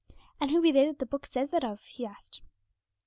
'And who be they that the Book says that of?' he asked.